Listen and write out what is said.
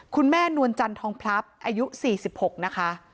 คุณแม่นวลจันทองพลับอายุ๔๖นะคะ